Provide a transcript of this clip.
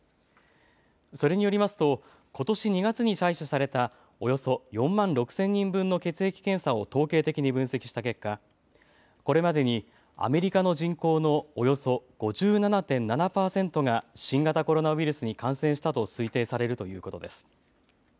それによりますと、ことし２月に採取されたおよそ４万６０００人分の血液検査を統計的に分析した結果、これまでにアメリカの人口のおよそ５７．７％が新型コロナウイルスに感染したと推定されるということです。